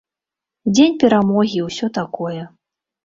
Дзень перамогі, і ўсё такое.